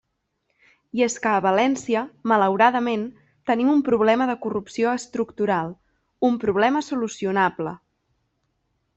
I és que a València, malauradament, tenim un problema de corrupció estructural —un problema solucionable.